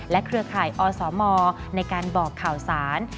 และเครือข่ายอสมออนไลน์ในการบอกข่าวสาร